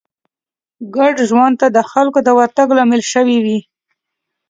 ګډ ژوند ته د خلکو د ورتګ لامل شوې وي